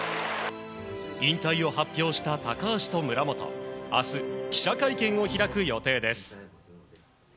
引退を発表した高橋と村元明日、記者会見を開く予定です。